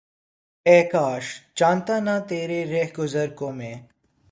اے کاش! جانتا نہ تیری رہگزر کو میں!